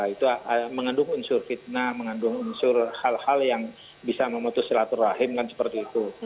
itu mengandung unsur fitnah mengandung unsur hal hal yang bisa memutus silaturahim kan seperti itu